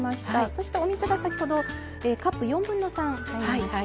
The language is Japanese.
そしてお水が先ほどカップ４分の３入りました。